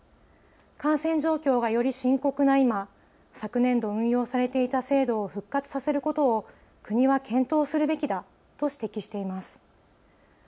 感染状況がより深刻な今、昨年度、運用されていた制度を復活させることを国は検討するべきだと指摘しています。